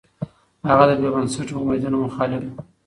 هغه د بې بنسټه اميدونو مخالف و.